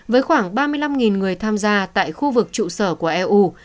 với khoảng ba mươi năm người tham gia tại khu vực trụ sở của eu